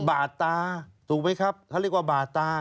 บาดตาถูกไหมครับเขาเรียกว่าบาดตา